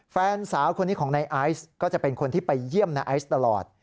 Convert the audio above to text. แฟนสาวคนนี้ของนายไอซ์ก็จะเป็นคนที่ไปเยี่ยมนายไอซ์ตลอด